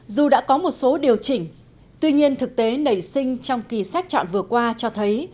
dù đã có một số điều chỉnh tuy nhiên thực tế nảy sinh trong kỳ sách chọn vừa qua cho thấy